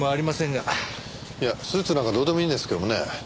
いやスーツなんかどうでもいいんですけどもね。